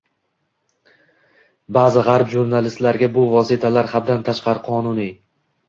ba’zi g‘arb jurnalistlariga bu vositalar haddan tashqari qonuniy